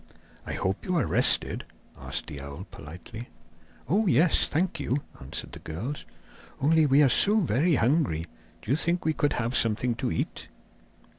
'I hope you are rested?' asked the owl politely. 'Oh, yes, thank you,' answered the girls. 'Only we are so very hungry. Do you think we could have something to eat?